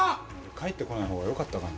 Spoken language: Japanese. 帰ってこないほうがよかったかも。